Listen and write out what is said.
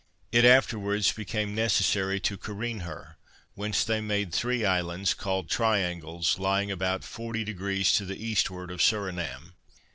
It afterwards became necessary to careen her, whence they made three islands, called Triangles, lying about 40 leagues to the eastward of Surinam.